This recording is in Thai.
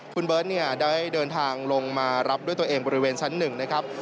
คุณเบิร์ตเนี่ยได้เดินทางลงมารับด้วยตัวเองบริเวณชั้น๑นะครับ